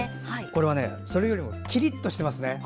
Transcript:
これは、それよりもキリッとしてますね。